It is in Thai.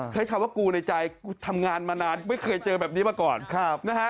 ใช้คำว่ากูในใจกูทำงานมานานไม่เคยเจอแบบนี้มาก่อนนะฮะ